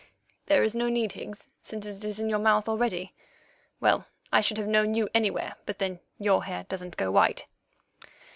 "There is no need, Higgs, since it is in your mouth already. Well, I should have known you anywhere; but then your hair doesn't go white."